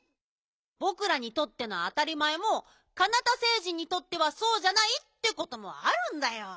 ぼくらにとってのあたりまえもカナタ星人にとってはそうじゃないってこともあるんだよ。